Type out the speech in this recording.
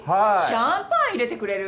シャンパン入れてくれる？